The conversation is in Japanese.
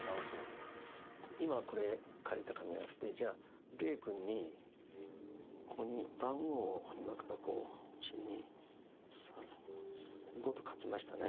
今これ借りた紙あってじゃあ玲くんにここに番号を今からこう１２３５と書きましたね